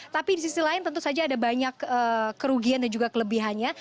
tapi di sisi lain tentu saja ada banyak kerugian dan juga kelebihannya